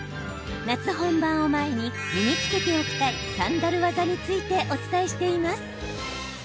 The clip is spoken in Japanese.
夏本番を前に身につけておきたいサンダル技についてお伝えしています。